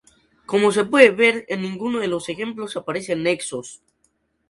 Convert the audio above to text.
Como se puede ver, en ninguno de los ejemplos aparecen nexos.